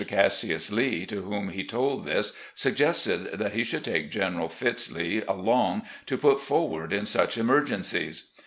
Cassius Lee, to whom he told this, suggested that he should take General Fitz. Lee along to put forward in such emergencies.